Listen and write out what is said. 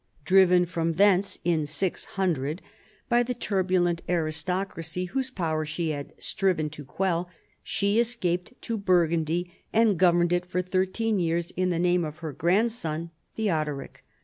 Driven from thence (600) by the turbulent aristocracy whose EARLY MAYORS OF THE PALACE. 29 power she had striven to quell, she escaped to Bur gundy, and governed it for thirteen years in the name of her grandson Theodoric.